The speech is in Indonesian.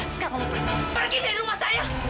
sekarang pergi dari rumah saya